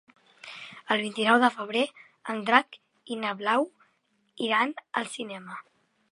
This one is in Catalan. El vint-i-nou de febrer en Drac i na Blau iran al cinema.